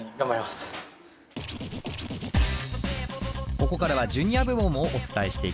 ここからはジュニア部門をお伝えしていきます。